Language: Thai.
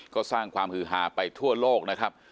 ก็สร้างความฮือหาไปทั่วโลกนะครับ